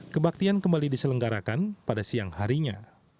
kebaktian kembali diselenggarakan pada siang harinya